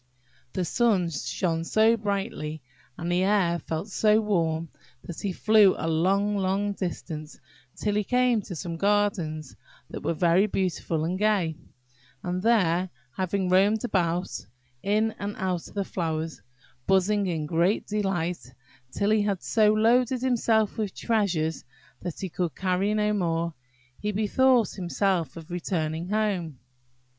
The sun shone so brightly, and the air felt so warm, that he flew a long, long distance, till he came to some gardens that were very beautiful and gay; and there having roamed about, in and out of the flowers, buzzing in great delight, till he had so loaded himself with treasures that he could carry no more, he bethought himself of returning home.